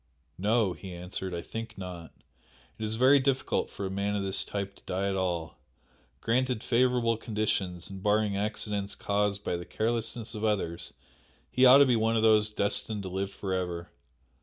"No!" he answered "I think not. It is very difficult for a man of this type to die at all. Granted favourable conditions and barring accidents caused by the carelessness of others he ought to be one of those destined to live for ever.